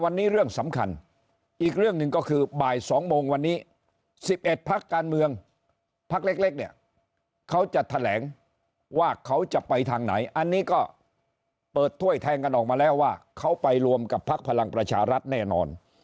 อันนี้ก็เปิดถ้วยแทนกันออกมาแล้วว่าเขาไปรวมกับพลักษณ์พลังประชารัฐแน่นอน